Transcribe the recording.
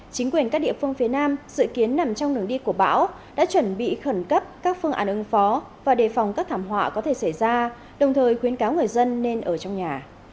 chính quyền các địa phương phía nam dự kiến nằm trong đường đi của bão đã chuẩn bị khẩn cấp các phương án ứng phó và đề phòng các thảm họa có thể xảy ra đồng thời khuyến cáo người dân nên ở trong nhà